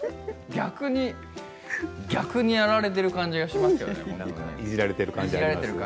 逆にやられている感じがしますよね。